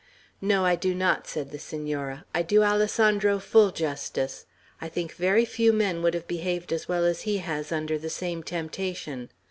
"No, I do not," said the Senora; "I do Alessandro full justice. I think very few men would have behaved as well as he has under the same temptation.